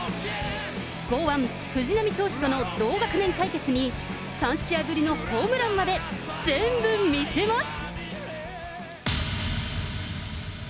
剛腕、藤浪投手との同学年対決に、３試合ぶりのホームランまで、全部見せます。